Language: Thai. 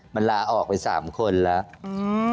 มันลาออกไป๓คนแล้ว